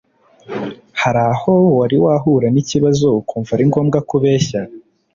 Hari aho wari wahura n ikibazo ukumva ari ngombwa ko ubeshya